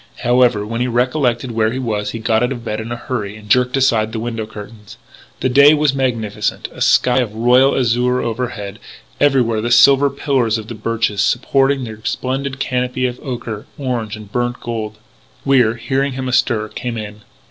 However, when he recollected where he was he got out of bed in a hurry and jerked aside the window curtains. The day was magnificent; a sky of royal azure overhead, and everywhere the silver pillars of the birches supporting their splendid canopy of ochre, orange, and burnt gold. Wier, hearing him astir, came in.